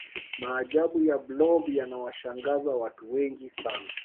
maajabu ya blob yanawashangaza watu wengi sana